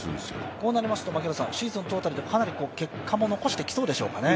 こうなりますと、シーズンでかなり結果も残してきそうですかね。